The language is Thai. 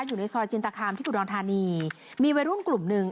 อยู่ในซอยจินตคามที่อุดรธานีมีวัยรุ่นกลุ่มหนึ่ง